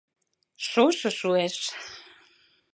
Шошо шуэш.